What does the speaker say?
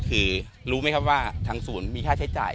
คือรู้ไหมครับว่าทางศูนย์มีค่าใช้จ่าย